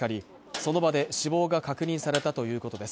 その場で死亡が確認されたということです